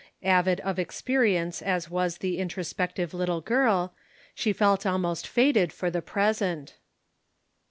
Avid of experience as was the introspective little girl, she felt almost fated for the present.